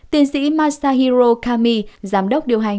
tiến sĩ masahiro kami giám đốc điều hành